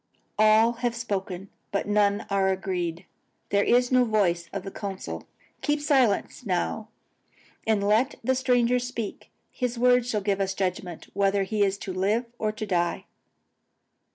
"All have spoken, but none are agreed. There is no voice of the council. Keep silence now, and let the stranger speak. His words shall give us judgment, whether he is to live or to die."